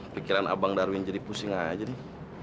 pikiran abang darwin jadi pusing aja deh